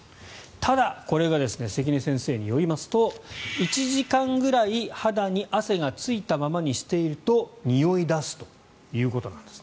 ただ、これが関根先生によりますと１時間ぐらい肌に汗がついたままにしているとにおい出すということです。